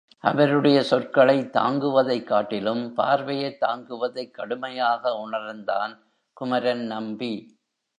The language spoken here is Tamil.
அவருடைய சொற்களைத் தாங்குவதைக் காட்டிலும் பார்வையைத் தாங்குவதைக் கடுமையாக உணர்ந்தான் குமரன் நம்பி.